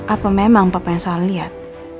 apa memang papa yang salah lihat